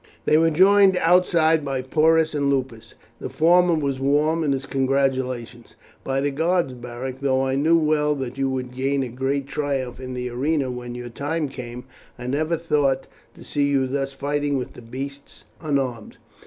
They were joined outside by Porus and Lupus. The former was warm in his congratulation. "By the gods, Beric, though I knew well that you would gain a great triumph in the arena when your time came, I never thought to see you thus fighting with the beasts unarmed.